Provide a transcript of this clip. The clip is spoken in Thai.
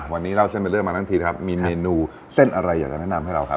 วันนี้เล่าเส้นเป็นเรื่องมาทั้งทีครับมีเมนูเส้นอะไรอยากจะแนะนำให้เราครับ